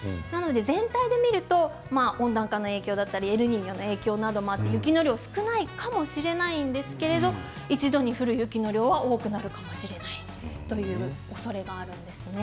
全体で見ると温暖化の影響だったりエルニーニョの影響もあったりして雪の量は少ないかもしれないんですけれども一度に降る雪の量は多くなるかもしれないおそれがあるんです。